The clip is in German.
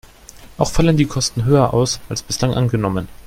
Auch fallen die Kosten höher aus, als bislang angenommen.